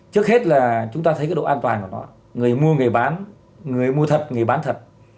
trước hết là chúng ta thấy cái độ an toàn của nó người mua người bán người mua thật người bán thật